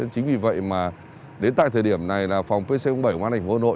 chính vì vậy mà đến tại thời điểm này là phòng pc bảy của an ảnh hồ nội